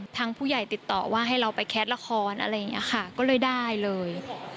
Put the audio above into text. ทางผู้ใหญ่ติดต่อว่าให้เราไปแคทละครอะไรอย่างนี้ค่ะก็เลยได้เลย